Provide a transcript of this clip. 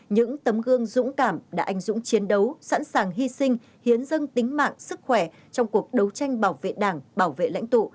những tấm gương dũng cảm đã anh dũng chiến đấu sẵn sàng hy sinh hiến dân tính mạng sức khỏe trong cuộc đấu tranh bảo vệ đảng bảo vệ lãnh tụ